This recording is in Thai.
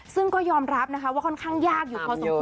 ซึ่งก็ยอมรับนะคะว่าค่อนข้างยากอยู่พอสมควร